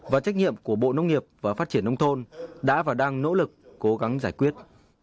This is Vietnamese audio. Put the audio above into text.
và trách nhiệm của bộ nông nghiệp và phát triển nông thôn đã và đang nỗ lực cố gắng giải quyết